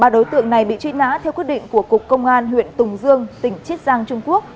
ba đối tượng này bị truy nã theo quyết định của cục công an huyện tùng dương tỉnh chiết giang trung quốc